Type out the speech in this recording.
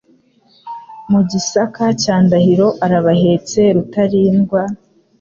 Mu Gisaka cya Ndahiro Arabahetse Rutarindwa,